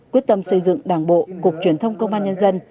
quyết tâm xây dựng đảng bộ cục truyền thông công an nhân dân